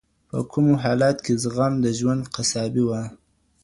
په کومو حالاتو کي زغم د ژوند قصابي وه؟